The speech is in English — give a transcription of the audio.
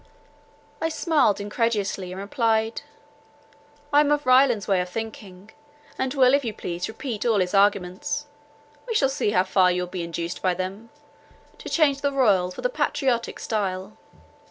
I smiled incredulously, and replied: "I am of Ryland's way of thinking, and will, if you please, repeat all his arguments; we shall see how far you will be induced by them, to change the royal for the patriotic style."